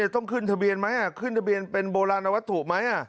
ต้องขึ้นทะเบียนไหมขึ้นทะเบียนเป็นโบราณวัตถุไหม